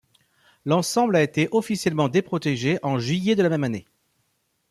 L'ensemble a été officiellement déprotégé en juillet de la même année.